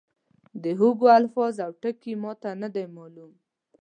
د هوګو الفاظ او ټکي ما ته نه دي معلوم.